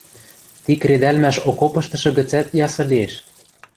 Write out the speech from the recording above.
Ти кредӓлмӓш окопыштышы гӹцӓт ясы лиэш...